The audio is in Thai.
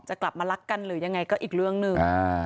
กลับมารักกันหรือยังไงก็อีกเรื่องหนึ่ง